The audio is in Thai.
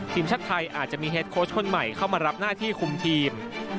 ทีมชาติไทยอาจจะมีเฮดโค้ชคนใหม่เข้ามารับหน้าที่คุมทีม